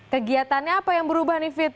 kegiatannya apa yang berubah nih fit